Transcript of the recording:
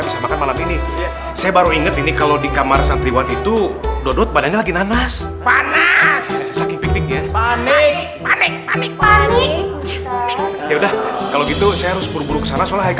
sampai jumpa di video selanjutnya